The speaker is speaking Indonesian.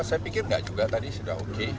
saya pikir nggak juga tadi sudah oke